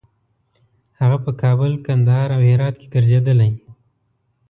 هغه په کابل، کندهار او هرات کې ګرځېدلی.